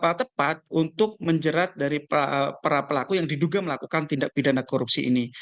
hal tepat untuk menjerat dari para pelaku yang diduga melakukan tindak pidana korupsi ini